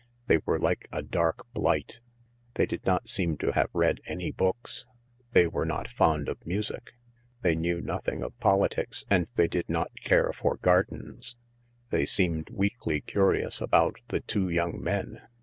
They were like a dark blight. They did not seem to have read any books. They were not fond of music. They knew nothing of politics, and they did not care for gardens. They seemed weakly curious about the two young men.